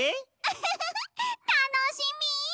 フフフたのしみ！